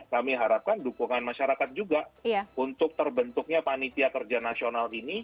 kami harapkan dukungan masyarakat juga untuk terbentuknya panitia kerja nasional ini